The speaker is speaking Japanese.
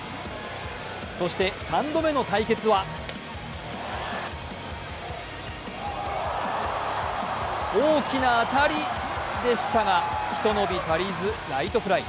そして３度目の対決は大きな当たりでしたが、ひと伸び足りず、ライトフライ。